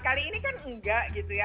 kali ini kan enggak gitu ya